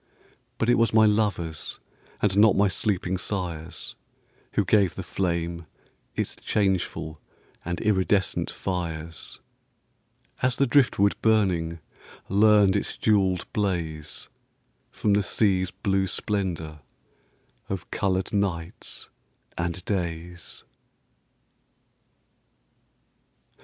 But it was my lovers, And not my sleeping sires, Who gave the flame its changeful And iridescent fires; As the driftwood burning Learned its jewelled blaze From the sea's blue splendor Of colored nights and days.